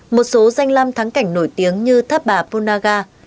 một số danh lam thắng cảnh nổi tiếng như tháp bà punaga